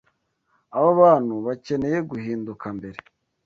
Aba bantu bakeneye guhinduka mbere